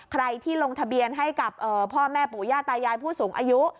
ใครที่ลงทะเบียนให้กับพ่อแม่ปู่ย่าตายายผู้สูงอายุ